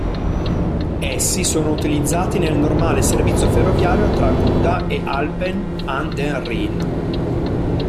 Essi sono utilizzati nel normale servizio ferroviario tra Gouda e Alphen aan den Rijn.